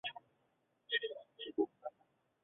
该物种的模式产地在瑞典。